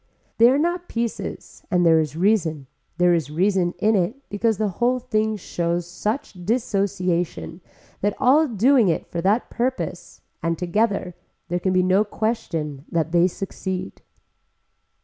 They are not pieces and there is reason, there is reason in it because the whole thing shows such dissociation that all doing it for that purpose and together there can be no question but that they succeed.